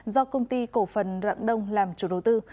do công ty cổ phần rạng đông làm chủ đầu tư